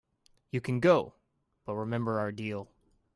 You can go, but remember our deal.